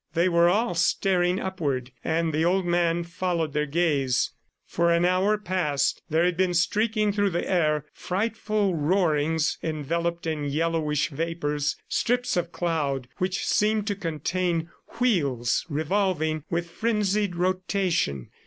They were all staring upward, and the old man followed their gaze. For an hour past, there had been streaking through the air frightful roarings enveloped in yellowish vapors, strips of cloud which seemed to contain wheels revolving with frenzied rotation.